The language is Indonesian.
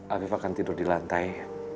arief akan tidur di lantai